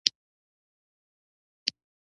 بیا نو ترکمنان را پاڅوم.